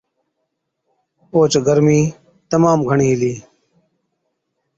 اوهچ گرمِي تمام گھڻِي هِلِي،